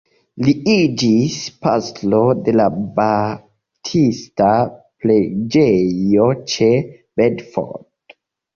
Li iĝis pastro de la baptista preĝejo ĉe Bedford.